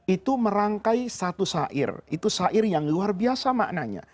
itu merangkai satu sair itu sair yang luar biasa maknanya